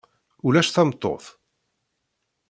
Ulac tameṭṭut.